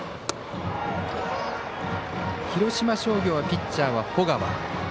広島商業はピッチャーは保川。